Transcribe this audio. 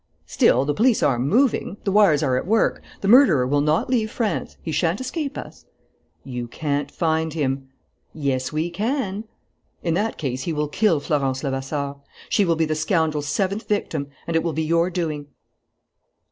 "Still, the police are moving. The wires are at work. The murderer will not leave France. He shan't escape us." "You can't find him." "Yes, we can." "In that case he will kill Florence Levasseur. She will be the scoundrel's seventh victim. And it will be your doing."